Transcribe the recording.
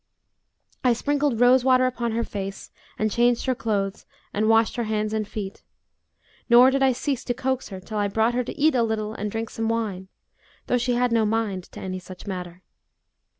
I sprinkled rose water upon her face and changed her clothes and washed her hands and feet; nor did I cease to coax her, till I brought her to eat a little and drink some wine, though she had no mind to any such matter.